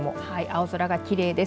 青空がきれいです。